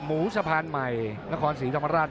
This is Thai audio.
หมูทรภัณฑ์ใหม่นครสีธรรมราช